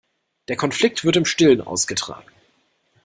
Der Konflikt wird im Stillen ausgetragen.